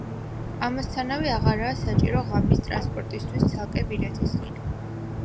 ამასთანავე აღარაა საჭირო ღამის ტრანსპორტისთვის ცალკე ბილეთის ყიდვა.